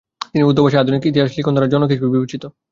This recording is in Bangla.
তিনি উর্দু ভাষায় আধুনিক ইতিহাস লিখনধারা'র জনক হিসেবে বিবেচিত।